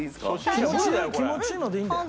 気持ちいいのでいいんだよ。